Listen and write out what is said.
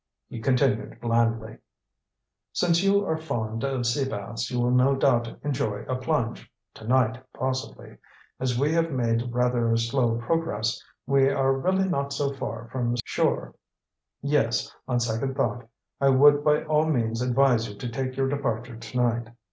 He continued blandly: "Since you are fond of sea baths, you will no doubt enjoy a plunge to night possibly. As we have made rather slow progress, we are really not so far from shore. Yes, on second thought, I would by all means advise you to take your departure tonight.